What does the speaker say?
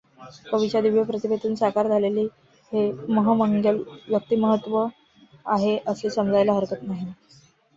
कवीच्या दिव्य प्रतिभेतून साकार झालले हे महन्मंगल व्यक्तिमत्त्व आहे असे समजायला हरकत नाही.